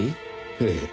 ええ。